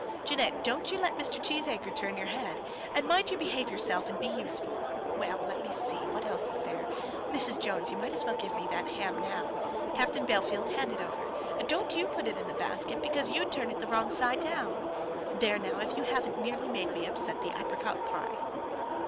"Jeannette, don't you let Mr. Cheesacre turn your head; and mind you behave yourself and be useful. Well; let me see; what else is there? Mrs. Jones, you might as well give me that ham now. Captain Bellfield, hand it over. Don't you put it into the basket, because you'd turn it the wrong side down. There now, if you haven't nearly made me upset the apricot pie."